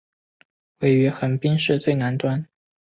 位于横滨市最南端。